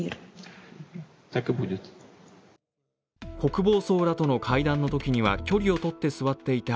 国防相らとの会談のときは距離を取って座っていた